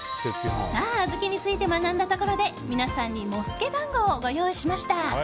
小豆について学んだところで皆さんに茂助だんごをご用意しました。